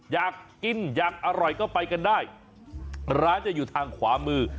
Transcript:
อยากกินอยากอร่อยก็ไปกันได้ร้านจะอยู่ทางขวามือ